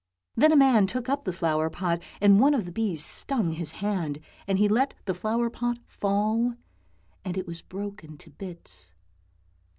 Then a man took up the flower pot, and one of the bees stung his hand, and he let the flower pot fall, and it was broken to bits.